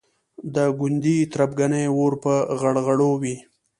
د ګوندي تربګنیو اور په غړغړو وي.